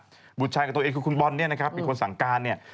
ว่าบุตรชายของตัวเองคือคุณบอลเป็นคนสั่งการ